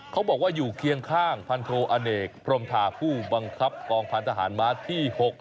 เขาบอกว่าอยู่เคียงข้างพันโทอเนกพรมทาผู้บังคับกองพันธหารม้าที่๖